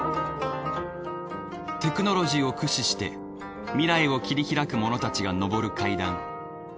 テクノロジーを駆使して未来を切り拓く者たちが昇る階段。